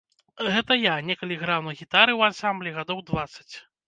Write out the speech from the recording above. Гэта я некалі граў на гітары ў ансамблі, гадоў дваццаць.